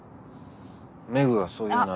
廻がそう言うなら。